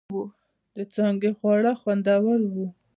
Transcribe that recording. د څانگې خواړه خوندور و.